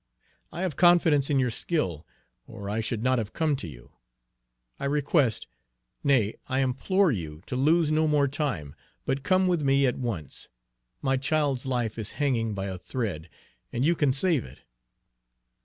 I have confidence in your skill, or I should not have come to you. I request nay, I implore you to lose no more time, but come with me at once! My child's life is hanging by a thread, and you can save it!"